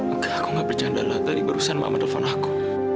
enggak aku gak bercanda lah tadi barusan mama telepon aku